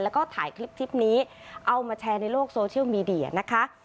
แล้วก็ถ่ายคลิปนี้เอามาแชร์ในโลกโซเชียลมีเดียนะคะ